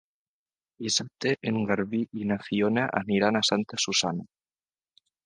Dissabte en Garbí i na Fiona aniran a Santa Susanna.